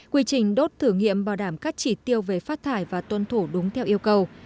quy trình đốt thử nghiệm bảo đảm các chỉ tiêu về phát thải và tuân thủ đúng theo yêu cầu